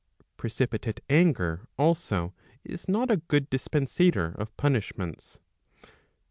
Precipitate anger also is not a good dispensator of punishments.